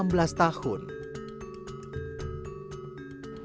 produk asli bangsa itu menjadi